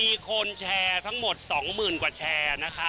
มีคนแชร์ทั้งหมด๒๐๐๐กว่าแชร์นะคะ